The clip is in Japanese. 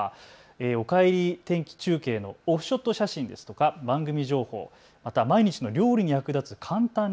おかえり天気中継のオフショット写真や番組情報、毎日の料理に役立つかんたん